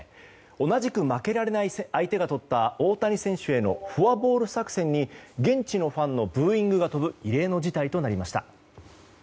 同じく負けられない相手がとった大谷選手へのフォアボール作戦に現地のファンのブーイングが飛ぶ異例の事態となりました。